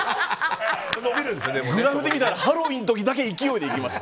グラフで見たらハロウィーンだけ勢いでいきます。